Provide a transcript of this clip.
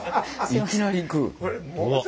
いきなりいく。